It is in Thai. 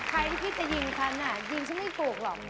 ใครที่จะยิงฉันยิงฉันไม่ถูกหรอก